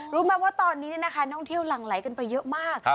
รู้ไหมว่าตอนนี้ท่องเที่ยวหลั่งไหลกันไปเยอะมาก